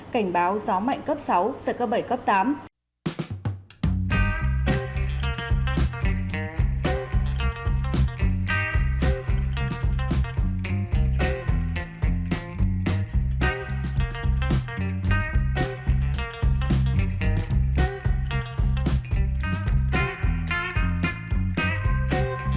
cảnh báo gió mạnh cấp sáu giật cấp bảy cấp tám